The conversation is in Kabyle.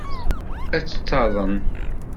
Ad taḍen.